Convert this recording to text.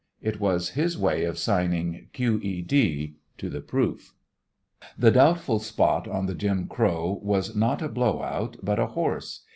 It was his way of signing Q.E.D. to the proof. The doubtful spot on the Jim Crow was not a blow out, but a "horse."